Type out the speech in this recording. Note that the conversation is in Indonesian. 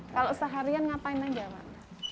kalau seharian ngapain aja mak